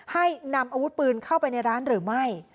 ให้นำอาวุธปืนเข้าไปในร้านหรือไม่